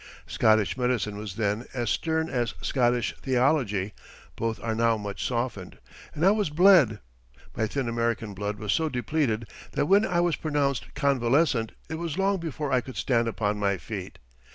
Scottish medicine was then as stern as Scottish theology (both are now much softened), and I was bled. My thin American blood was so depleted that when I was pronounced convalescent it was long before I could stand upon my feet.